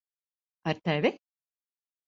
Ar tevi?